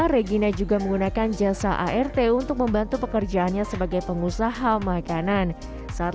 regina juga menggunakan jasa art untuk membantu pekerjaannya sebagai pengusaha makanan saat